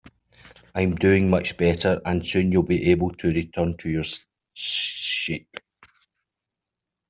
I'm doing much better, and soon you'll be able to return to your sheep.